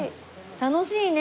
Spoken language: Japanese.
楽しいね。